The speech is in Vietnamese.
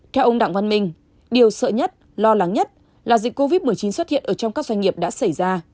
theo ông đặng văn minh điều sợ nhất lo lắng nhất là dịch covid một mươi chín xuất hiện ở trong các doanh nghiệp đã xảy ra